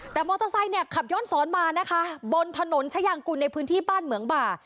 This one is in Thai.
แต่มอเตอร์ไซค์เนี่ยขับย้อนสอนมานะคะบนถนนชายางกุลในพื้นที่บ้านเหมืองบ่า